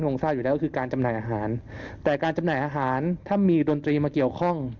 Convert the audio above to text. คงทราบอยู่แล้วก็คือการจำหน่ายอาหารแต่การจำหน่ายอาหารถ้ามีดนตรีมาเกี่ยวข้อง